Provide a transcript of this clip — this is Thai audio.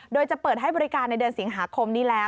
โดยจะเปิดให้บริการในเดือนสิงหาคมนี้แล้ว